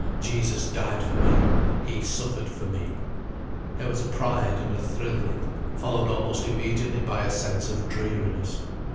"Jesus died for me, He suffered for me." There was a pride and a thrill in it, followed almost immediately by a sense of dreariness.